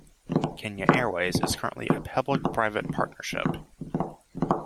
Kenya Airways is currently a public-private partnership.